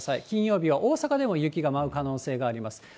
金曜日は大阪でも雪が舞う可能性があります。